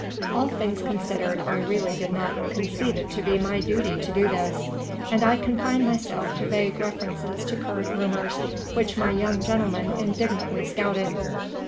All things considered, I really did not conceive it to be my duty to do this, and I confined myself to vague refer ences to current rumours, which my young gentleman indignantly scouted.